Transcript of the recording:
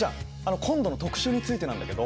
今度の特集についてなんだけど。